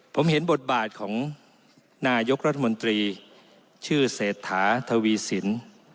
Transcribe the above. ผมเห็นบทบาทของนายกรัฐมนตรีชื่อเสถาธวีศิลปิศร